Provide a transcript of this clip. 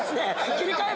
切り替え。